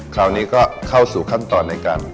คราวนี้ก็เข้าสู่ขั้นตอนในการ